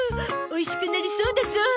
美味しくなりそうだゾ！